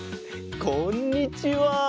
こんにちは。